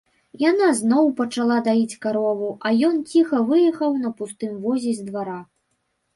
Яна зноў пачала даіць карову, а ён ціха выехаў на пустым возе з двара.